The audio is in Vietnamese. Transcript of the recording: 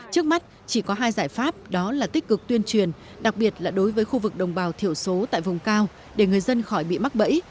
trước mắt chỉ có hai giải pháp đó là tích cực tuyên truyền đặc biệt là đối với khu vực đồng bào thiểu số tại vùng cao để người dân khỏi bị mắc bẫy